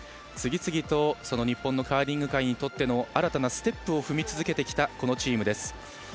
次々と日本のカーリング界にとっての新たなステップを踏み続けてきたこのチームです。